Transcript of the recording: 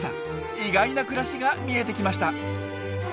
意外な暮らしが見えてきました！